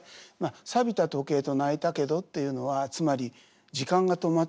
「びた時計と泣いたけど」っていうのはつまり時間が止まっていた。